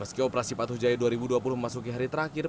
meski operasi patuh jaya dua ribu dua puluh memasuki hari terakhir